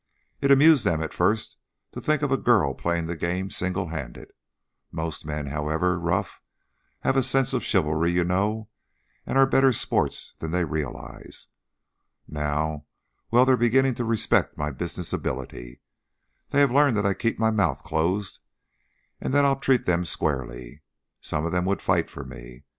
It amused them at first to think of a girl playing the game single handed most men, however rough, have a sense of chivalry, you know, and are better sports than they realize. Now well, they're beginning to respect my business ability. They have learned that I keep my mouth closed and that I'll treat them squarely. Some of them would fight for me.